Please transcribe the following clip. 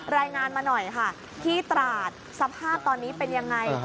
รายงานมาหน่อยค่ะที่ตราดสภาพตอนนี้เป็นยังไง